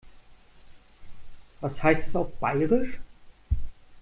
Was heißt das auf Bairisch?